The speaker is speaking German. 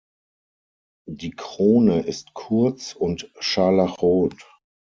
Die Krone ist kurz und scharlachrot.